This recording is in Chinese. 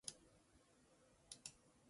叫爸爸